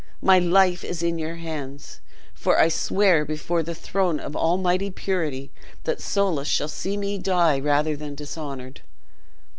My life is in your hands; for I swear before the throne of Almighty Purity, that Soulis shall see me die rather than dishonored!"